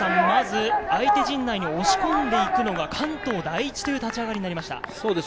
まず相手陣内に押し込んで行くのが関東第一という立ち上がりになりました。